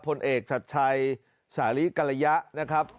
ผลเอกชัดชัยสาลิกรยะนะครับ